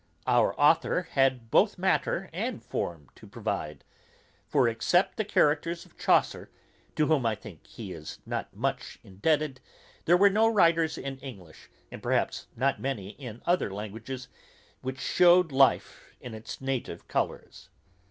Our authour had both matter and form to provide; for except the characters of Chaucer, to whom I think he is not much indebted, there were no writers in English, and perhaps not many in other modern languages, which shewed life in its native colours.